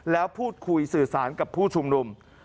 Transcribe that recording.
แล้วพูดคุยสื่อสารกับผู้ชุมนุม